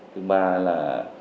thứ ba là